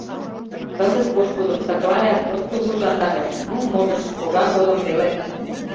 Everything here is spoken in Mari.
Кызыт пошкудым тыглаяк от тургыжландаре, ну, можыч, пожар годым веле...